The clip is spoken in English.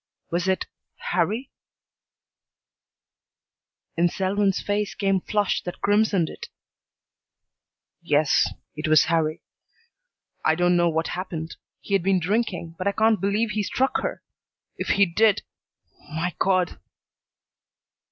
Was it Harrie?" In Selwyn's face came flush that crimsoned it. "Yes, it was Harrie. I don't know what happened. He had been drinking, but I can't believe he struck her. If he did my God!"